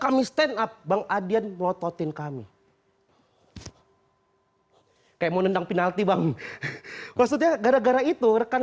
kami stand up bang adian melototin kami kayak mau nendang penalti bang maksudnya gara gara itu rekan